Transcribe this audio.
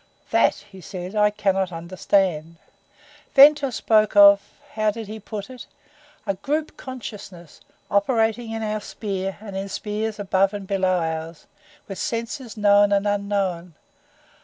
"That," he said, "I cannot understand. Ventnor spoke of how did he put it? a group consciousness, operating in our sphere and in spheres above and below ours, with senses known and unknown.